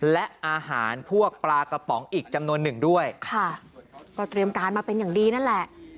และอาหารพวกปลากระป๋องอีกจำนวนหนึ่งด้วยค่ะก็เตรียมการมาเป็นอย่างดีนั่นแหละ